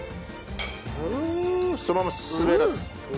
そのまま滑らす。